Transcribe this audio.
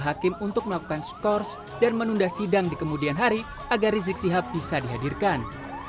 hakim untuk melakukan skors dan menunda sidang di kemudian hari agar rizik sihab bisa dihadirkan